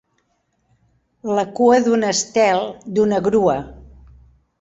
La cua d'un estel, d'una grua.